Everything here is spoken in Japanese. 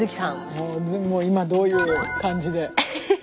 もう今どういう感じで。